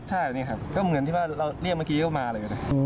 ใช่แบบนี้ครับก็เหมือนที่ว่าเราเรียกเมื่อกี้ก็มาเลย